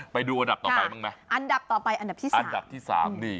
ไปดูอันดับต่อไปบ้างมั้ยอันดับต่อไปอันดับที่๓